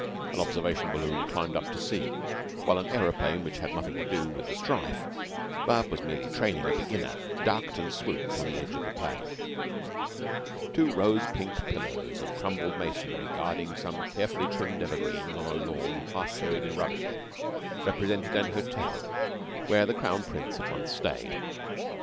An observation balloon climbed up to see; while an aeroplane which had nothing to do with the strife, but was merely training a beginner, ducked and swooped on the edge of the plain. Two rose pink pillars of crumbled masonry, guarding some carefully trimmed evergreens on a lawn half buried in rubbish, represented an hotel where the Crown Prince had once stayed.